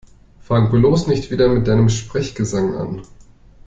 Fang bloß nicht wieder mit deinem Sprechgesang an!